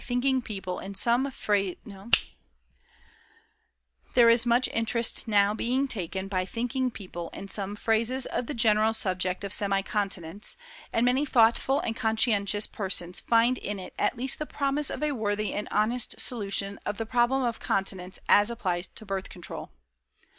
There is much interest now being taken by thinking people in some phases of the general subject of semi continence, and many thoughtful and conscientious persons find in it at least the promise of a worthy and honest solution of the problem of Continence as applied to Birth Control.